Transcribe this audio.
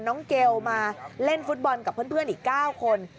เกลมาเล่นฟุตบอลกับเพื่อนอีก๙คน